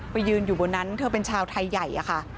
ยืนอยู่บนนั้นเธอเป็นชาวไทยใหญ่อะค่ะ